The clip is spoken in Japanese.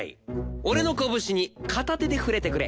俺の拳に片手で触れてくれ。